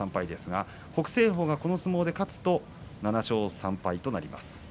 北青鵬がこの相撲で勝つと３敗を守ります。